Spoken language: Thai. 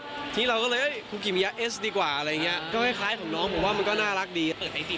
ทีนี้เราก็เลยคุกิมิยาเอสดีกว่าอะไรอย่างเงี้ยก็คล้ายของน้องผมว่ามันก็น่ารักดีเปิดไอจี